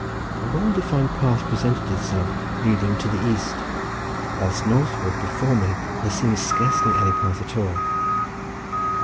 A well defined path presented itself, leading to the east, whilst northward before me there seemed scarcely any path at all.